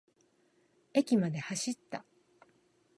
駅まで走った。